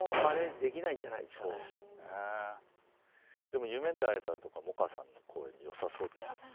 でも「夢でえたら」とか萌歌さんの声によさそうですよね。